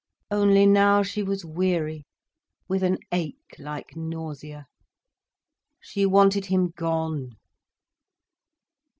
Only now she was weary, with an ache like nausea. She wanted him gone.